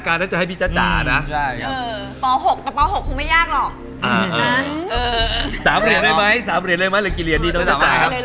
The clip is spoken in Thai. แคว้่จอดพูดไม่เป็นไม่มีนะครับ